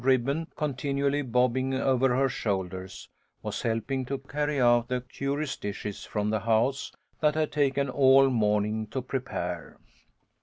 ribbon continually bobbing over her shoulders, was helping to carry out the curious dishes from the house that had taken all morning to prepare.